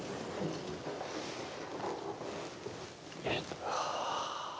うわ。